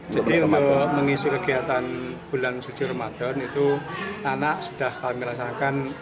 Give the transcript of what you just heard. jadi mengisi kegiatan bulan suci ramadan itu anak sudah kami laksanakan